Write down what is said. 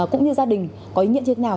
cũng như gia đình có ý nghĩa trên nào